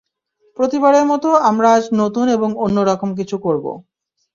প্রতিবারের মতো আমরা আজ নতুন এবং অন্য রকম কিছু করবো।